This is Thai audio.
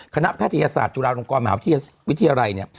คณะแพทยศาสตร์จุฬาลงกรมหาวิทยาลัยเนี่ย